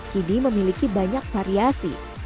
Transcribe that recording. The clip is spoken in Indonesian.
kini memiliki banyak variasi